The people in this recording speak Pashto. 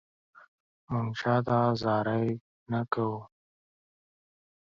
مونږ چاته زاري نه کوو